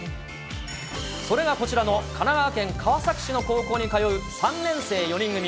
それがこちらの神奈川県川崎市の高校に通う３年生４人組。